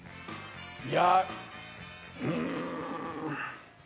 いやうん。